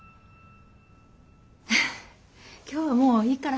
今日はもういいから。